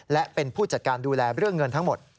และเป็นผู้จัดการดูแลเรื่องเงินทั้งหมด